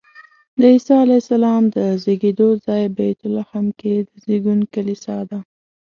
د عیسی علیه السلام د زېږېدو ځای بیت لحم کې د زېږون کلیسا ده.